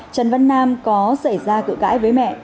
trần văn nam có xảy ra cự cãi với mẹ